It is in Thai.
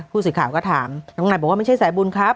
ผู้สื่อข่าวก็ถามน้องนายบอกว่าไม่ใช่สายบุญครับ